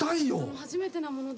初めてなもので。